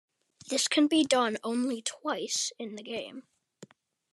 This can be done only twice in the game.